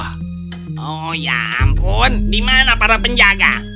oh ya ampun dimana para penjaga